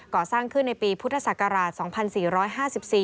ก่อสร้างขึ้นในปีพุทธศักราช๒๔๕๔